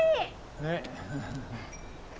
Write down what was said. ねっ。